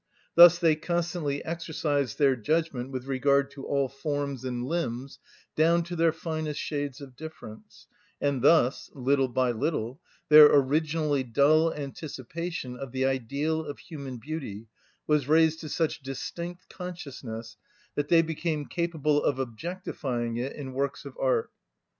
Thus they constantly exercised their judgment with regard to all forms and limbs, down to their finest shades of difference; and thus, little by little, their originally dull anticipation of the ideal of human beauty was raised to such distinct consciousness that they became capable of objectifying it in works of art.